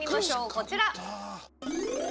こちら。